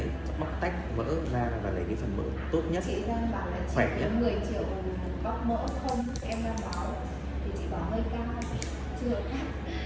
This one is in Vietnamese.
một mươi triệu bóc mỡ không em đang bó thì chị bó hơi cao chưa hơi khát